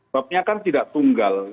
bapnya kan tidak tunggal